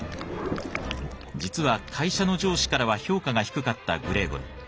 実は会社の上司からは評価が低かったグレーゴル。